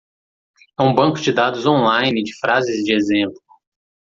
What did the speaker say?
É um banco de dados online de frases de exemplo.